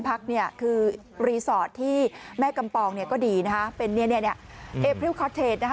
ตุนตุนตุนตุนตุนตุนตุน